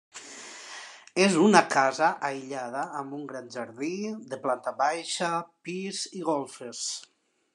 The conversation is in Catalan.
És una casa aïllada amb un gran jardí, de planta baixa, pis i golfes.